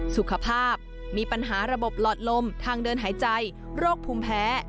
สุขภาพมีปัญหาระบบหลอดลมทางเดินหายใจโรคภูมิแพ้